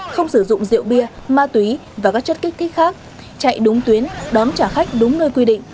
không sử dụng rượu bia ma túy và các chất kích thích khác chạy đúng tuyến đón trả khách đúng nơi quy định